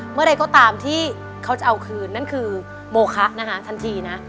เมื่อไหร่ก็ตามที่เขาจะเอาคืนนั่นคือโมคะนะคะทันทีนะ